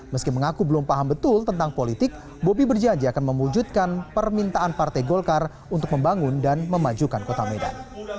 meski mengaku belum paham betul tentang politik bobi berjanji akan mewujudkan permintaan partai golkar untuk membangun dan memajukan kota medan